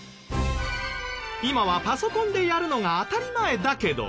今はパソコンでやるのが当たり前だけど。